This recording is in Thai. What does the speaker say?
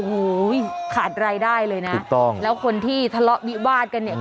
โอ้โหขาดรายได้เลยนะถูกต้องแล้วคนที่ทะเลาะวิวาดกันเนี่ย